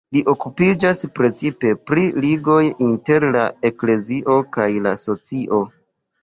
Li okupiĝas precipe pri ligoj inter la eklezioj kaj la socio.